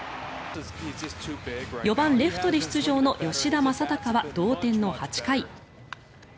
４番レフトで出場の吉田正尚は同点の８回。